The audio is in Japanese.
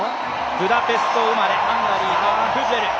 ブダペスト生まれ、ハンガリーのフッレル。